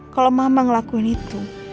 kalau mama ngelakuin itu